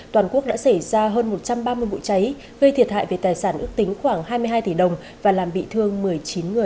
toàn quốc đã xảy ra hơn một trăm ba mươi vụ cháy gây thiệt hại về tài sản ước tính khoảng hai mươi hai tỷ đồng và làm bị thương một mươi chín người